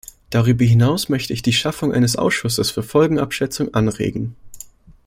Darüber hinaus möchte ich die Schaffung eines Ausschusses für Folgenabschätzung anregen.